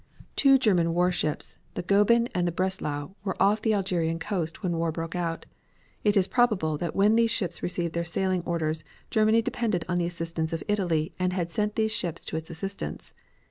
Two German war ships, the Goeben and the Breslau, were off the Algerian coast when war broke out. It is probable that when these ships received their sailing orders, Germany depended on the assistance of Italy, and had sent these ships to its assistance.